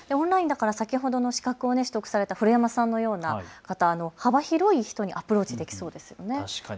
先ほど資格を複数取得された古山さんのような幅広い人にアプローチできそうですよね。